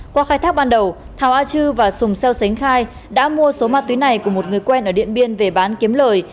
qua khai thác ban đầu thảo a chư và sùng xeo sánh khai đã mua số ma túy này của một người quen ở điện biên về bán kiếm lời